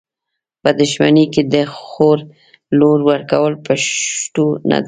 په دښمني کي د خور لور ورکول پښتو نده .